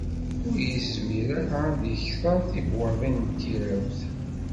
Ur yezmir ara ad d-yekter tibwaḍin n tirawt.